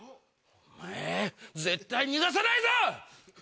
お前絶対逃がさないぞ！